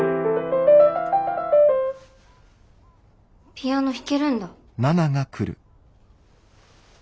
ピアノ弾けるんだ。